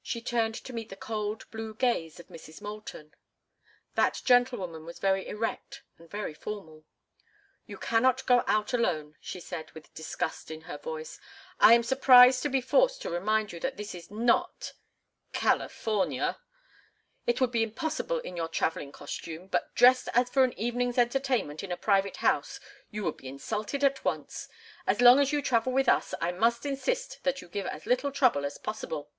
She turned to meet the cold, blue gaze of Mrs. Moulton. That gentlewoman was very erect and very formal. "You cannot go out alone!" she said, with disgust in her voice. "I am surprised to be forced to remind you that this is not—California. It would be impossible in your travelling costume, but dressed as for an evening's entertainment in a private house you would be insulted at once. As long as you travel with us I must insist that you give as little trouble as possible."